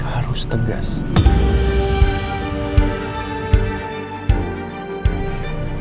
kamu harus jadi orang yang tegas